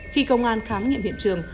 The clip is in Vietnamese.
khi công an khám nghiệm hiện trường